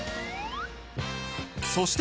そして